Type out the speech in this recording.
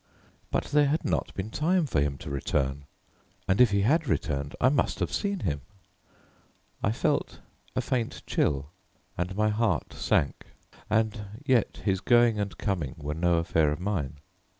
But there had not been time for him to return, and if he had returned, I must have seen him. I felt a faint chill, and my heart sank; and yet, his going and coming were no affair of mine.